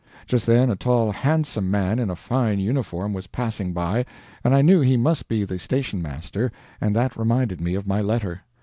Just then a tall handsome man in a fine uniform was passing by and I knew he must be the station master and that reminded me of my letter.